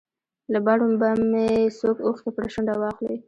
له بڼو به مې څوک اوښکې پر شونډه واخلي.